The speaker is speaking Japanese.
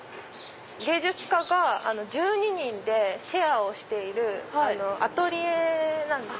芸術家が１２人でシェアをしているアトリエなんです。